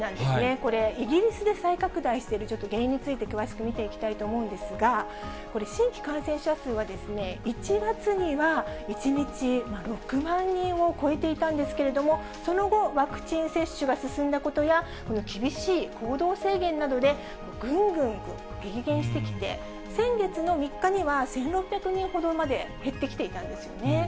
これ、イギリスで再拡大しているちょっと原因について、詳しく見ていきたいと思うんですが、これ、新規感染者数は１月には１日６万人を超えていたんですけれども、その後、ワクチン接種が進んだことや、この厳しい行動制限などで、ぐんぐん激減してきて、先月の３日には１６００人ほどまで減ってきていたんですよね。